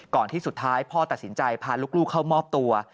ที่สุดท้ายพ่อตัดสินใจพาลูกเข้ามอบตัว